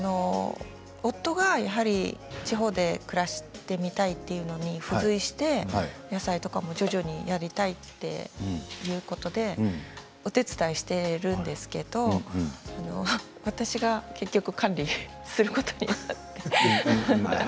夫がやはり地方で暮らしてみたいというので付随して、野菜とかも徐々にやりたいということでお手伝いをしているんですけど私が結局、管理をすることになって。